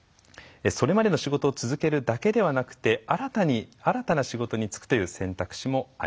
それまでの仕事を続けるだけではなくて新たな仕事に就くという選択肢もあります。